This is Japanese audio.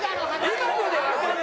今のでわかる。